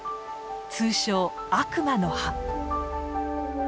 通称悪魔の歯。